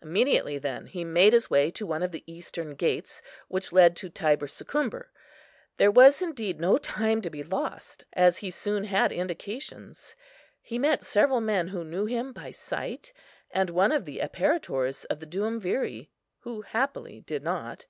Immediately then he made his way to one of the eastern gates, which led to Thibursicumbur. There was indeed no time to be lost, as he soon had indications; he met several men who knew him by sight, and one of the apparitors of the Duumviri, who happily did not.